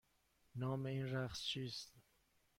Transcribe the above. نام این رقص چیست؟